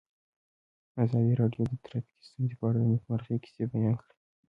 ازادي راډیو د ټرافیکي ستونزې په اړه د نېکمرغۍ کیسې بیان کړې.